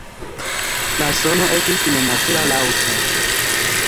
La sono estis nenature laŭta.